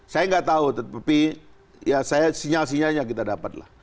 saya tidak tahu tetapi ya sinyal sinyalnya kita dapatlah